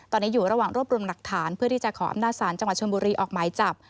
ตอนนี้อยู่ระหว่างรวบรวมหลักฐานเพื่อที่จะขออำนาจศาลจังหวัดชนบุรีออกหมายจับ